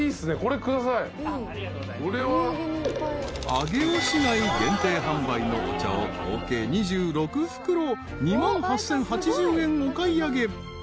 ［上尾市内限定販売のお茶を合計２６袋２万８，０８０円お買い上げ］